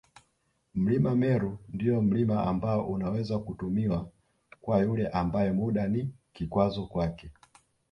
Mlima Meru ndio mlima ambao unaweza kutumiwa kwa yule ambae muda ni kikwazo kwake